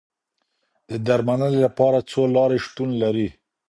د درملنې لپاره څو لارې شتون لري.